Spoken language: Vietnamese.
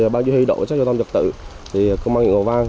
ban chủ yếu đội sát giao thông chập tự công an huyện hòa vang